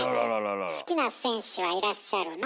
好きな選手はいらっしゃるの？